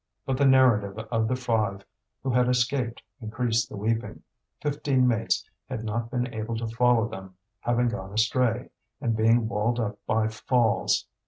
But the narrative of the five who had escaped increased the weeping; fifteen mates had not been able to follow them, having gone astray, and been walled up by falls.